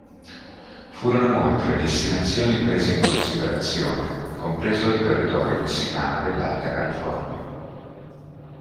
Furono molte le destinazioni prese in considerazione, compreso il territorio messicano dell'Alta California.